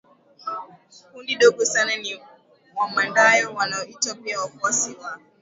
Kundi dogo sana ni Wamandayo wanaoitwa pia wafuasi wa